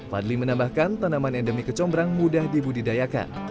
fadli menambahkan tanaman endemi kecombrang mudah dibudidayakan